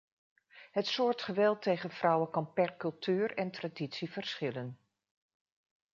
Het soort geweld tegen vrouwen kan per cultuur en traditie verschillen.